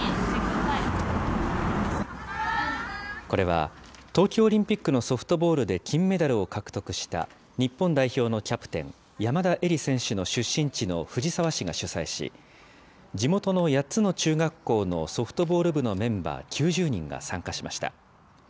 これは、東京オリンピックのソフトボールで金メダルを獲得した日本代表のキャプテン、山田恵里選手の出身地の藤沢市が主催し、地元の８つの中学校のソフトボール部のメンバー９０人が参加しました。